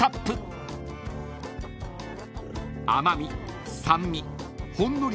［甘味酸味ほんのり